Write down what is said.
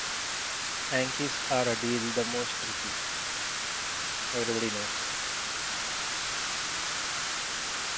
Yankees are a deal the most tricky, everybody knows.